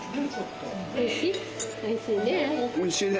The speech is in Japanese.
おいしい？